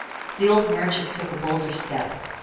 The old merchant took a bolder step.